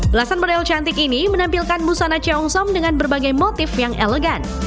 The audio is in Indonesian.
belasan model cantik ini menampilkan busana ceongsom dengan berbagai motif yang elegan